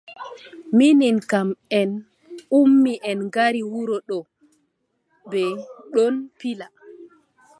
Minin kam en ummi en ngara wuro ɗo. bee ɗon pila.